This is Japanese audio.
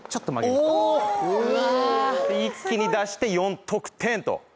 「一気に出して４得点と」